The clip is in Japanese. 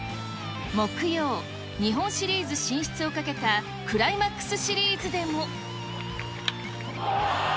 木曜、日本シリーズ進出をかけたクライマックスシリーズでも。